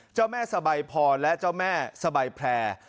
เจ้าแม่สบายพรและเจ้าแม่สบายแพร่